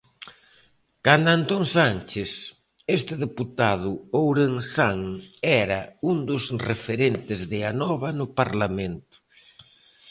Canda Antón Sánchez, este deputado ourensán era un dos referentes de Anova no Parlamento.